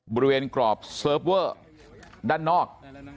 บริเวณกรอบเสิร์ฟเวอร์ด้านนอก